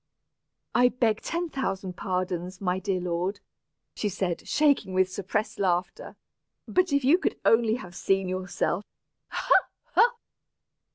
"I beg ten thousand pardons, my dear lord," she said, shaking with suppressed laughter. "But if you could only have seen yourself! Ha, ha!